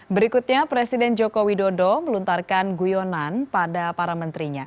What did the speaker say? berikutnya presiden jokowi dodo meluntarkan guyonan pada para menterinya